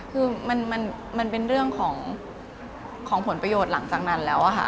คือมันเป็นเรื่องของผลประโยชน์หลังจากนั้นแล้วค่ะ